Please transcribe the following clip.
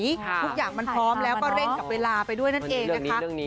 ทุกอย่างมันพร้อมแล้วก็เร่งกับเวลาไปด้วยนั่นเองนะคะ